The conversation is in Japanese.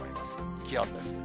気温です。